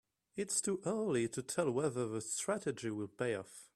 Its too early to tell whether the strategy will pay off.